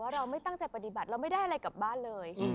เราไม่ตั้งใจปฏิบัติเราไม่ได้อะไรกลับบ้านเลย